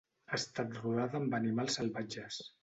Ha estat rodada amb animals salvatges.